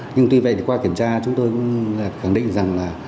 nhưng tuy vậy thì qua kiểm tra chúng tôi cũng khẳng định rằng là